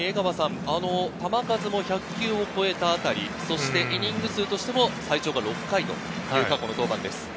球数も１００球を超えたあたり、そしてイニング数としても最長６回という過去の登板です。